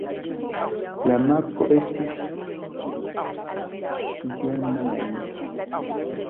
La marko estis Germain.